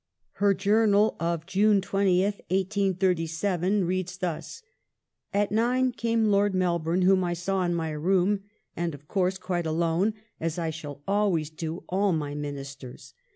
Her Journal, June 20th, 1837, reads thus : "at nine came Lord Melbourne whom I saw in my room and of course quite alone as I shall always do all my Ministers.